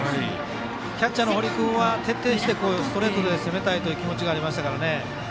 キャッチャーの堀君は徹底してストレートで攻めたいという気持ちがありましたからね。